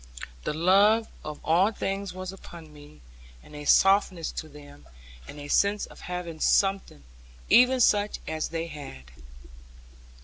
The love of all things was upon me, and a softness to them all, and a sense of having something even such as they had.